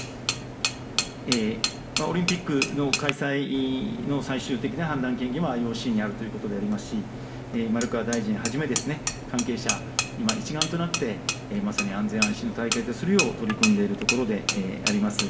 オリンピックの開催の最終的な判断権限はＩＯＣにあるということでございますし、丸川大臣はじめ関係者、今、一丸となって、まさに安全安心の大会とするよう取り組んでいるところであります。